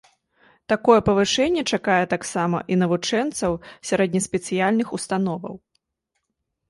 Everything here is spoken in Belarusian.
Такое павышэнне чакае таксама і навучэнцаў сярэднеспецыяльных установаў.